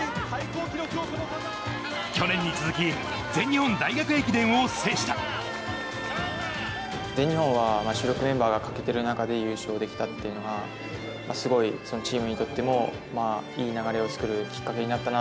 去年に続き、全日本は、主力メンバーが欠けてる中で優勝できたっていうのが、すごいチームにとっても、いい流れを作るきっかけになったな。